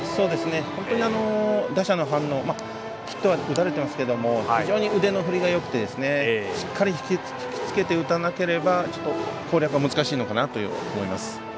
本当に打者の反応ヒットは打たれていますけども非常に腕の振りがよくてしっかり引きつけて打たなければちょっと攻略は難しいのかなと思います。